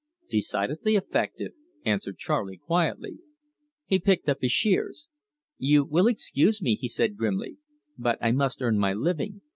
"Decidedly effective," answered Charley quietly. He picked up his shears. "You will excuse me," he said grimly, "but I must earn my living.